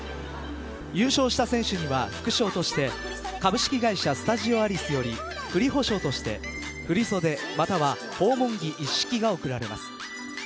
優勝した選手には副賞として株式会社スタジオアリスよりふりホ賞として振り袖または訪問着一式が贈られます。